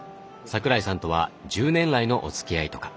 桜井さんとは１０年来のおつきあいとか。